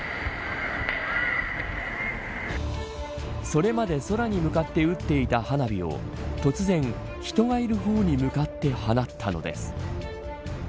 それまで、空に向かって打っていた花火を突然、人がいる方に向かって放ったのです。